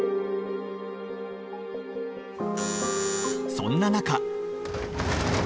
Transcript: そんな中